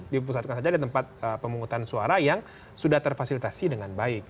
dipusatkan saja di tempat pemungutan suara yang sudah terfasilitasi dengan baik